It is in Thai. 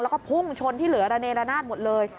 แล้วก็พุ่งชนที่เหลือระเนรนาศหมดเลย